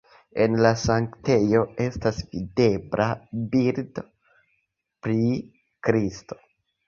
En la sanktejo estas videbla bildo pri Kristo.